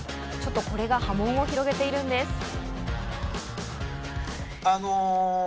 ちょっとこれが波紋を広げているんです。